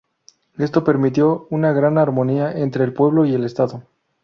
Esto permitió una gran armonía entre el pueblo y el Estado.